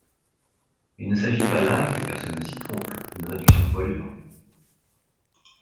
Il ne s’agit pas là, que personne ne s’y trompe, d’une réduction de voilure.